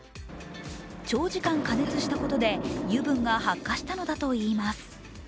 長時間加熱したことで油分が発火したのだといいます。